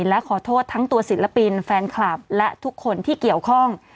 และขอโทษทั้งตัวศิลปินแฟนคลับและทุกคนที่เกี่ยวข้อง